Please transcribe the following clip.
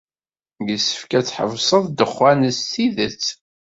Yessefk ad tḥebseḍ ddexxan s tidet.